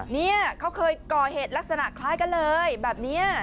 เนี่ยเขาเคยก่อเหตุลักษณะคล้ายกันเลยแบบนี้